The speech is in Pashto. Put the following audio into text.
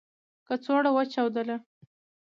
کڅوړه و چاودله .